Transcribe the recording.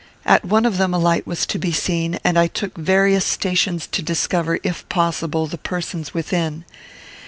At one of them a light was to be seen, and I took various stations to discover, if possible, the persons within.